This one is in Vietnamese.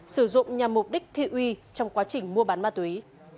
sử dụng nhằm mục đích thị uy trong quá trình mua bán ma túy